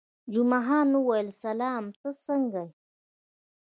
جمعه خان وویل: سلام، ته څنګه یې؟